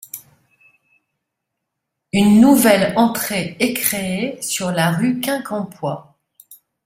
Une nouvelle entrée est créée sur la rue Quincampoix.